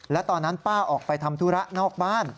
และตอนนั้นป้าออกไปทำธุระนอกบ้าน